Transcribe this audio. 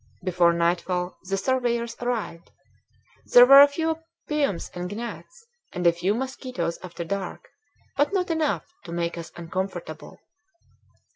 Before nightfall the surveyors arrived. There were a few piums and gnats, and a few mosquitoes after dark, but not enough to make us uncomfortable.